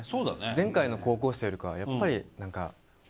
前回の高校生よりかはやっぱり。